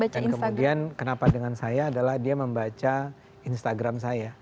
dan kemudian kenapa dengan saya adalah dia membaca instagram saya